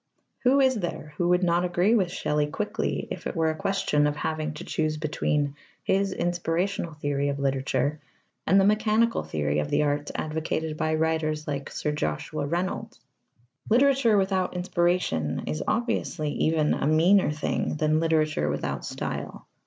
Who is there who would not agree with Shelley quickly if it were a question of having to choose between his inspirational theory of literature and the mechanical theory of the arts advocated by writers like Sir Joshua Reynolds? Literature without inspiration is obviously even a meaner thing than literature without style.